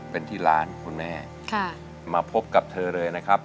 เป็นที่ร้านคุณแม่มาพบกับเธอเลยนะครับ